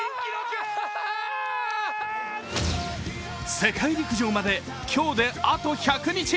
世界陸上まで、今日であと１００日。